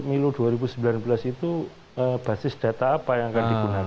kemudian kita bisa lihat pemilu dua ribu sembilan belas itu basis data apa yang akan digunakan